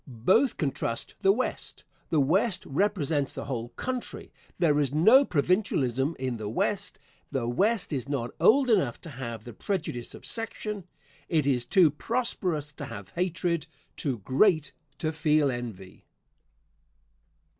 Both can trust the West. The West represents the whole country. There is no provincialism in the West. The West is not old enough to have the prejudice of section; it is too prosperous to have hatred, too great to feel envy.